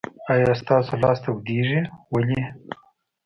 آیا ستاسو لاس تودیږي؟ ولې؟